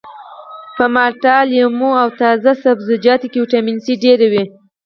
په مالټه لیمو او تازه سبزیجاتو کې ویټامین سي ډیر وي